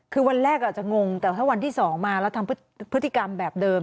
คือวันแรกอาจจะงงแต่ถ้าวันที่๒มาแล้วทำพฤติกรรมแบบเดิม